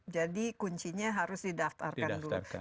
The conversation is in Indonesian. jadi kuncinya harus didaftarkan dulu